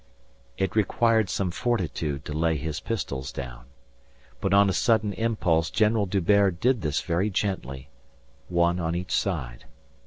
It required some fortitude to lay his pistols down. But on a sudden impulse General D'Hubert did this very gently one on each side.